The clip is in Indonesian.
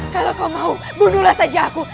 kalau kau mau bunuhlah saja aku